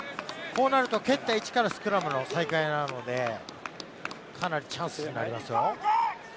こうなると、蹴った位置からスクラムの最下位なので、かなりチャンスはありますよ。